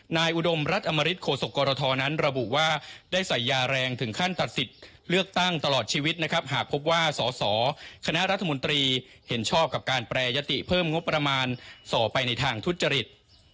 อุดมรัฐอมริตโศกรทนั้นระบุว่าได้ใส่ยาแรงถึงขั้นตัดสิทธิ์เลือกตั้งตลอดชีวิตนะครับหากพบว่าสอสอคณะรัฐมนตรีเห็นชอบกับการแปรยติเพิ่มงบประมาณส่อไปในทางทุจริต